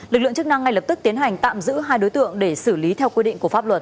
lực lượng chức năng ngay lập tức tiến hành tạm giữ hai đối tượng để xử lý theo quy định của pháp luật